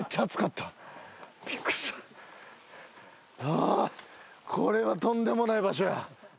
あこれはとんでもない場所や。